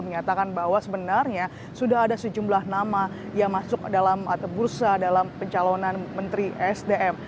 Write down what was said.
menyatakan bahwa sebenarnya sudah ada sejumlah nama yang masuk dalam bursa dalam pencalonan menteri sdm